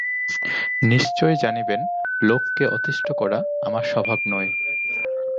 নিশ্চয় জানিবেন, লোককে অতিষ্ঠ করা আমার স্বভাব নয়।